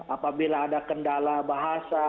apabila ada kendala bahasa